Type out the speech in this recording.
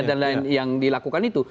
dan lain lain yang dilakukan itu